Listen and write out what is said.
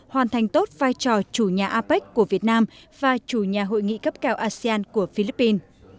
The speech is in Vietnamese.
hoàn thành tốt vai trò chủ nhà apec của việt nam và chủ nhà hội nghị cấp cao asean của philippines